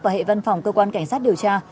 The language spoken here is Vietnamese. và hệ văn phòng cơ quan cảnh sát điều tra